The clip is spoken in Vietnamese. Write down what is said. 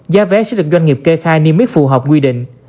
gia vé sẽ được doanh nghiệp kê khai niêm mức phù hợp quy định